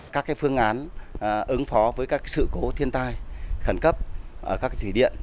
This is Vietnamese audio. các phương án ứng phó với các sự cố thiên tai khẩn cấp ở các thủy điện